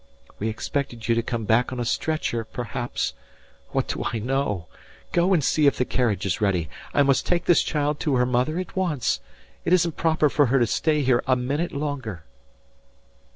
We expected you to come back on a stretcher perhaps what do I know? Go and see if the carriage is ready. I must take this child to her mother at once. It isn't proper for her to stay here a minute longer."